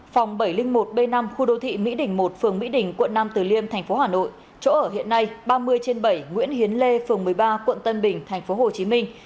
phòng bảy trăm linh một b năm khu đô thị mỹ đình một phường mỹ đình quận nam từ liêm thành phố hà nội chỗ ở hiện nay ba mươi trên bảy nguyễn hiến lê phường một mươi ba quận tân bình thành phố hồ chí minh